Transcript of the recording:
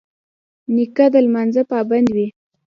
نیکه د لمانځه پابند وي.